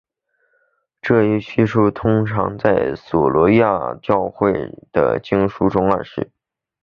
这一叙述通常在琐罗亚斯德教的经书中暗示。